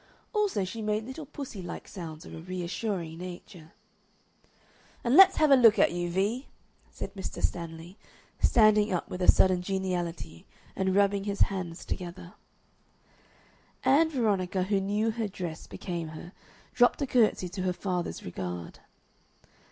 Also she made little pussy like sounds of a reassuring nature. "And let's have a look at you, Vee!" said Mr. Stanley, standing up with a sudden geniality and rubbing his hands together. Ann Veronica, who knew her dress became her, dropped a curtsy to her father's regard.